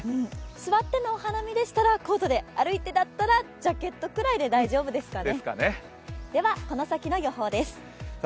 座ってのお花見でしたらコートで歩いてだったらジャケットぐらいで大丈夫ですかね。